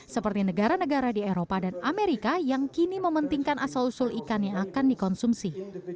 seperti negara negara di eropa dan amerika yang kini mementingkan asal usul ikan yang akan dikonsumsi